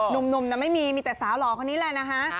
หนุ่มไม่มีมีแต่สาวหล่อคนนี้แหละนะคะ